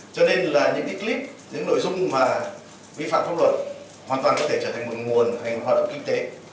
cho nên là những cái clip những nội dung mà vi phạm pháp luật hoàn toàn có thể trở thành một nguồn hoạt động kinh tế